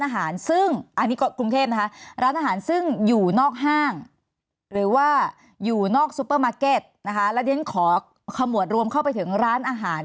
หรือว่าอยู่นอกสุปเปอร์มาร์เก็ตนะคะและขอขมวดรวมเข้าไปถึงร้านอาหาร